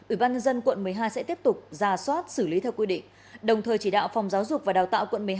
ủy ban nhân dân quận một mươi hai sẽ tiếp tục ra soát xử lý theo quy định đồng thời chỉ đạo phòng giáo dục và đào tạo quận một mươi hai